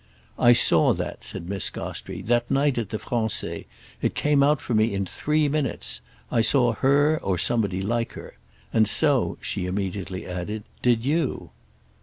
"I saw that," said Miss Gostrey, "that night at the Français; it came out for me in three minutes. I saw her—or somebody like her. And so," she immediately added, "did you."